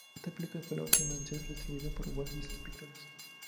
Esta película fue la última en ser distribuida por Walt Disney Pictures.